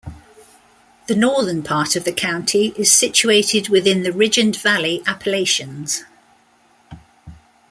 The northern part of the county is situated within the Ridge-and-Valley Appalachians.